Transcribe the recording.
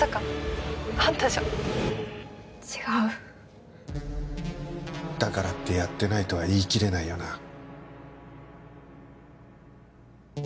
違うだからってやってないとは言い切れないよな？